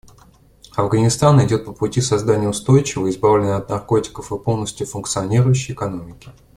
Афганистан идет по пути создания устойчивой, избавленной от наркотиков и полностью функционирующей экономики.